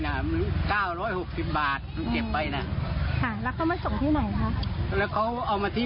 แล้วเขาเอามาทิ้งไว้ที่แยกหนองมนตร์